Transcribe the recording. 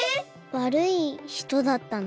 わるいひとだったの？